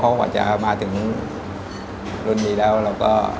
เพราะว่าพ่อเขาบาทจะมาถึงรุ่นนี้แล้วเราก็